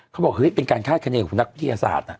เขาบอกว่าเป็นการฆ่าเกณฑ์ของพวกนักพิทยาศาสตร์น่ะ